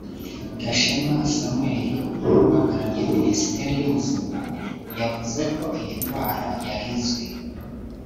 Gashema Samuel wari uhagarariye Minisiteri y’Ubuzima yavuze ko iyi ndwara yari izwi